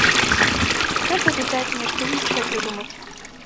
Трэба, відаць, нешта іншае прыдумаць.